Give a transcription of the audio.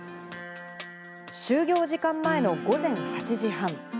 就業時間前の午前８時半。